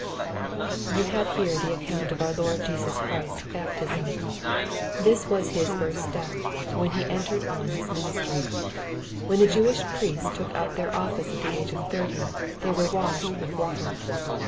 You have here the account of our Lord Jesus Christ's baptism. This was His first step, when He entered on His ministry. When the Jewish priests took up their office at the age of thirty, they were washed with water.